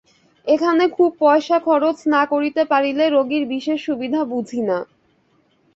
এখানে খুব পয়সা খরচ না করিতে পারিলে রোগীর বিশেষ সুবিধা বুঝি না।